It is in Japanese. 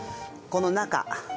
この中。